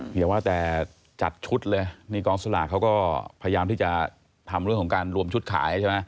อย่าว่าแต่จัดชุดเลยนี่กองสลากเขาก็พยายามที่จะทำเรื่องของการรวมชุดขายใช่ไหม